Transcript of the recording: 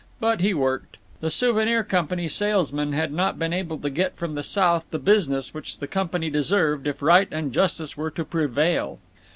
But he worked. The Souvenir Company salesmen had not been able to get from the South the business which the company deserved if right and justice were to prevail.